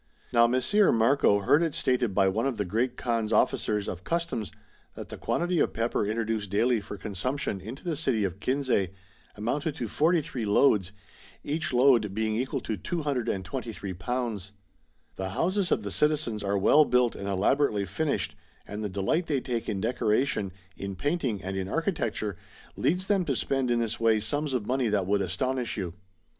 Now Messer Marco heard it stated by one of the Great Kaan's officers of customs that the quantity of pepper introduced daily for consumption into the city of Kinsay amounted to 43 loads, each load being equal to 223 lbs.' The houses of the citizens are well built and elaborately finished ; and the delight they take in decoration, in painting and in architecture, leads them to spend in this way sums of money that would astonish you.